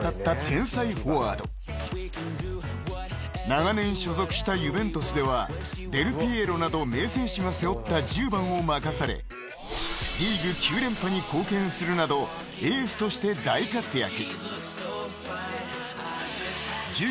［長年所属したユヴェントスではデルピエーロなど名選手が背負った１０番を任されリーグ９連覇に貢献するなどエースとして大活躍］